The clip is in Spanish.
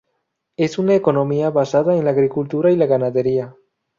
Es una economía basada en la agricultura y la ganadería.